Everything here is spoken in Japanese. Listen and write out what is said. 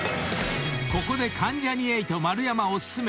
［ここで関ジャニ∞丸山お薦め